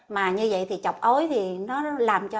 mà như vậy thì chọc ối thì nó làm cho